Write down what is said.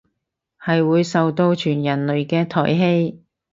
係會受到全人類嘅唾棄